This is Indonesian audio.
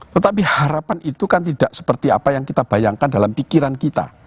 tetapi harapan itu kan tidak seperti apa yang kita bayangkan dalam pikiran kita